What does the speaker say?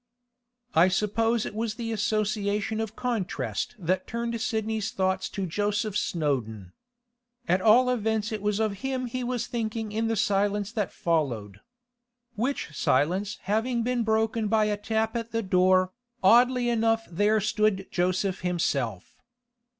I suppose it was the association of contrast that turned Sidney's thoughts to Joseph Snowdon. At all events it was of him he was thinking in the silence that followed. Which silence having been broken by a tap at the door, oddly enough there stood Joseph himself.